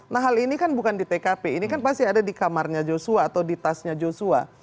nah hal ini kan bukan di tkp ini kan pasti ada di kamarnya joshua atau di tasnya joshua